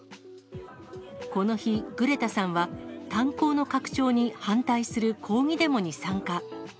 この日、グレタさんは炭鉱の拡張に反対する抗議デモに参加。